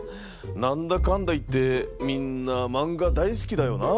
何だかんだ言ってみんな漫画大好きだよな。